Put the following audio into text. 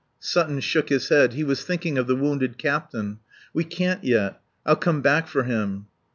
Sutton shook his head. He was thinking of the wounded captain. "We can't yet. I'll come back for him."